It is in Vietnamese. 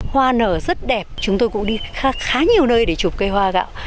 hoa nở rất đẹp chúng tôi cũng đi khá nhiều nơi để chụp cây hoa gạo